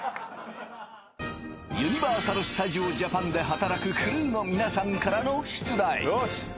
ユニバーサル・スタジオ・ジャパンで働くクルーの皆さんからの出題